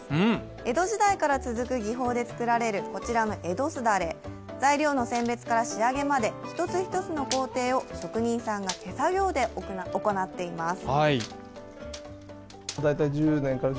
江戸時代から続く技法で作られるこちらの江戸簾、材料の選別から仕上げまで一つ一つの工程を職人さんが手作業で行っています。